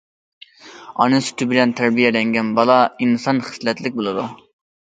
ئانا سۈتى بىلەن تەربىيەلەنگەن بالا ئىنسان خىسلەتلىك بولىدۇ.